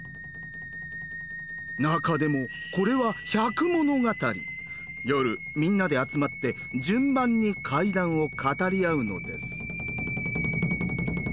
中でもこれは夜みんなで集まって順番に怪談を語り合うのです。